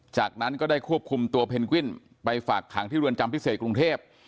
จากนั้นก็ได้ควบคุมตัวเพนกวินไปฝากขังที่รวนจำพิเศษกรุงเทพ